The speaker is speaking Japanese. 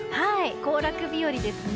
行楽日和ですね。